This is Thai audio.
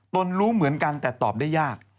นรู้เหมือนกันแต่ตอบได้ยาก